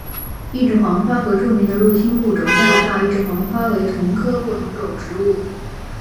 一枝黄花和著名的入侵物种加拿大一枝黄花为同科不同种植物。